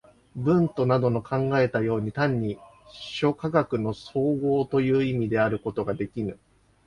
ヴントなどの考えたように、単に諸科学の綜合という意味であることができぬ。